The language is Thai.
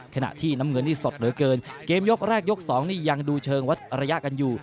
ขณะที่น้ำเงินนี่สดเหลือเกินเกมยกแรกยกสองนี่ยังดูเชิงวัดระยะกันอยู่